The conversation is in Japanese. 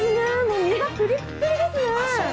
身がプリプリですね。